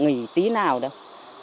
đi tí nào đâu